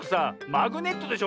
マグネットでしょ。